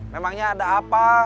memangnya ada apa